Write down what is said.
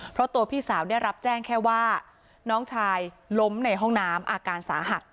เพราะตัวพี่สาวได้รับแจ้งแค่ว่าน้องชายล้มในห้องน้ำอาการสาหัส